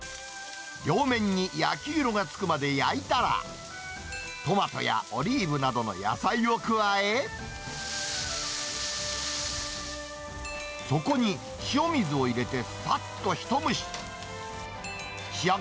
両面に焼き色がつくまで焼いたら、トマトやオリーブなどの野菜を加え、そこに塩水を入れて、さっとひと蒸し。